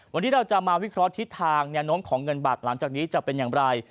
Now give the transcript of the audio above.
วันนี้เราจะมาวิเคราะห์ทิศทางแนวโน้มของเงินบาทหลังจากนี้จะเป็นอย่างไร